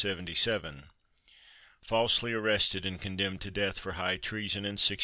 falsely arrested and condemned to death for high treason in 1683.